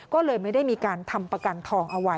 ก็เลยไม่ได้มีการทำประกันทองเอาไว้